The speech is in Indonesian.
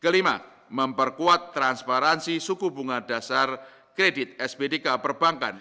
kelima memperkuat transparansi suku bunga dasar kredit sbdk perbankan